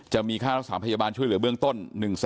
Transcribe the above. จะมีค่ารักษาพยาบาลช่วยเหลือเบื้องต้น